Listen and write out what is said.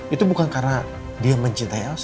itu bukan karena dia mencintai elsek